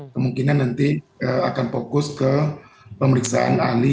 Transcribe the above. kemungkinan nanti akan fokus ke pemeriksaan ahli